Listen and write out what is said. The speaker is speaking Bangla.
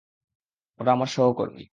ওরা আমার সহকর্মী।